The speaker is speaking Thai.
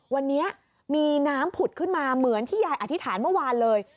วันนี้มีน้ำผุดขึ้นมาเหมือนที่ยายอธิษฐานเมื่อวานเลย